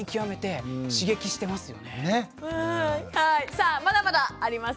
さあまだまだあります。